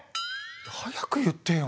早く言ってよ。